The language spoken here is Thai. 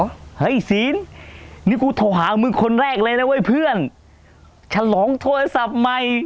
เฮ้ยศีลนี่กูโทรหามึงคนแรกเลยนะเว้ยเพื่อนฉลองโทรศัพท์ใหม่